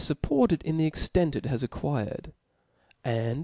fupported in the extent it has acquired, and tha.